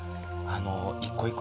一個一個